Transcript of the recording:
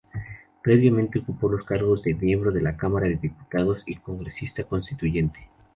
Previamente ocupó los cargos de miembro de la Cámara de Diputados y Congresista Constituyente.